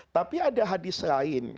tapi ada hadis lain